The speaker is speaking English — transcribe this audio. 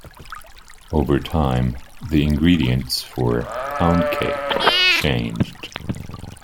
Over time the ingredients for pound cake changed.